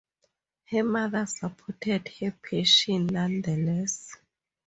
Her mother supported her passion nonetheless.